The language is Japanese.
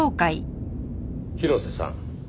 広瀬さん